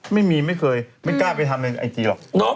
ไม่เคยไม่กล้าไปทำในไอจีหรอก